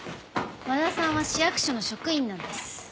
「和田さんは市役所の職員なんです」